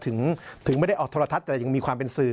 ถึงไม่ได้ออกโทรทัศน์แต่ยังมีความเป็นสื่อ